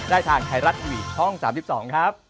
ได้ทางไทยรัตน์อีวิสช่อง๓๒ครับ